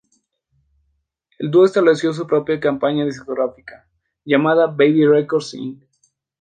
El dúo estableció su propia compañía discográfica llamada "Baby Records Inc.